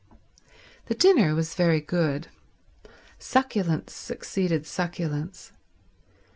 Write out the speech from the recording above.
The dinner was very good. Succulence succeeded succulence.